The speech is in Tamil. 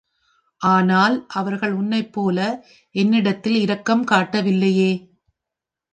ஆனால், அவர்கள் உன்னைப் போல என்னிடத்தில் இரக்கம் காட்டவில்லையே!